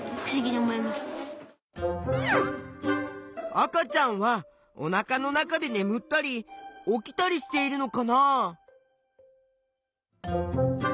赤ちゃんはおなかの中でねむったり起きたりしているのかな？